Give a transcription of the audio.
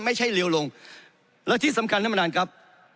ไม่ใช่เรียวลงแล้วที่สำคัญน้ำมานานครับ